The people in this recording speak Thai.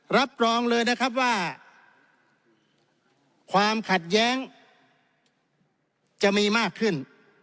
รับรองเลยนะครับว่าความขัดแย้งจะมีมากขึ้น